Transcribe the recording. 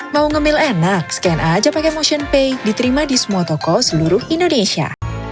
mau ngambil enak scan aja pake motionpay diterima di semua toko seluruh indonesia